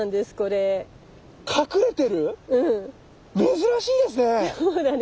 珍しいですね。